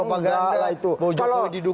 nggak lah itu